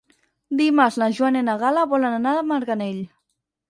Dimarts na Joana i na Gal·la volen anar a Marganell.